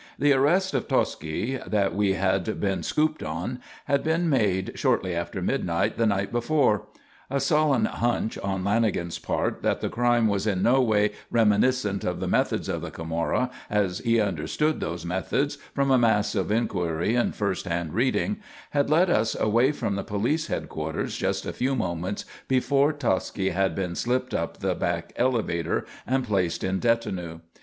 The arrest of Tosci that we had been "scooped" on had been made shortly after midnight the night before. A sullen "hunch" on Lanagan's part that the crime was in no way reminiscent of the methods of the Camorra, as he understood those methods from a mass of inquiry and first hand reading, had led us away from the police headquarters just a few moments before Tosci had been slipped up the back elevator and placed in detinue.